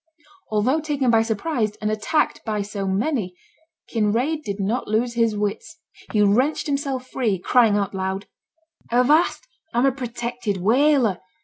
Although taken by surprise, and attacked by so many, Kinraid did not lose his wits. He wrenched himself free, crying out loud: 'Avast, I'm a protected whaler.